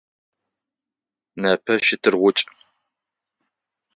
Непэ щтыргъукӏ.